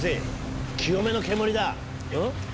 清めの煙だ！